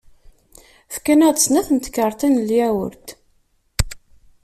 Fkan-aɣ-d snat n tkaṛtin n lyawert.